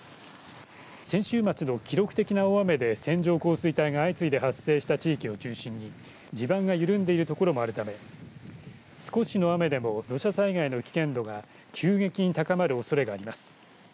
先週末の記録的な大雨で線状降水帯が相次いで発生した地域を中心に地盤が緩んでいる所もあるため少しの雨でも土砂災害の危険度が急激に高まるおそれがあります。